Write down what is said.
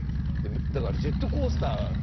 だからジェットコースターですよね。